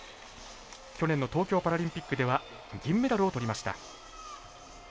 去年の東京パラリンピックでは銀メダルをとりました。